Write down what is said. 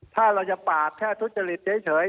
ถ้าเราจะปากแค่ทุจจฤทธิ์เฉย